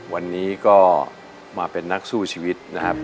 วันนี้ก็มาเป็นนักสู้ชีวิตนะครับ